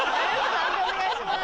判定お願いします。